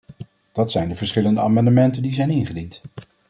Dat zijn de verschillende amendementen die zijn ingediend.